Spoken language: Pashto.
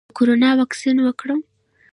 د کرونا واکسین وکړم؟